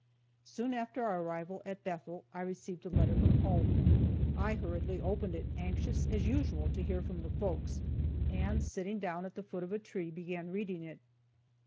Soon after our arrival at Bethel I received a letter from home. I hurriedly opened it, anxious, as usual, to hear from the folks, and sitting down at the foot of a tree, began reading it.